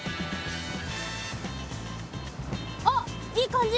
あっいい感じ。